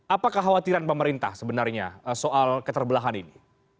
apa kekhawatiran pemerintah sebenarnya soal keterbelahan ini